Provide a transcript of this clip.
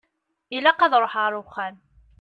Ilaq ad ṛuḥeɣ ar uxxam.